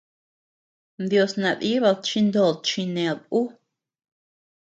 Ndios nadibad chi nod chined ú.